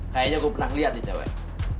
kayaknya gua pernah lihat nih cewek